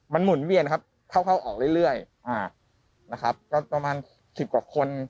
มันหมุนเวียนครับเข้าเข้าออกเรื่อยนะครับก็ประมาณสิบกว่าคน